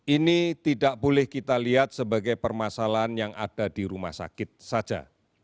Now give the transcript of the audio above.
ini tidak boleh kita lihat sebagai permasalahan yang ada di rumah sakit saja